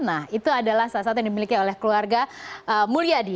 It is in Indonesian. nah itu adalah salah satu yang dimiliki oleh keluarga mulyadi